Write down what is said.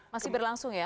masih berlangsung ya